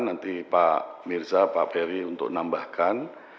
nanti pak mirza pak ferry untuk nambahkan